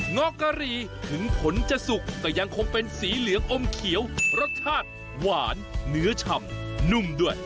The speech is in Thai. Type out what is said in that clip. อกกะหรี่ถึงผลจะสุกก็ยังคงเป็นสีเหลืองอมเขียวรสชาติหวานเนื้อฉ่ำนุ่มด้วย